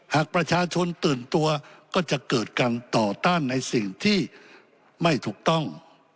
หากประชาชนตื่นตัวก็จะเกิดการต่อต้านในสิ่งที่ไม่ถูกต้อง